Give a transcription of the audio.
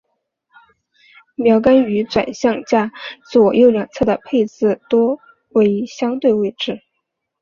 锚杆于转向架左右两侧的配置多为相对位置。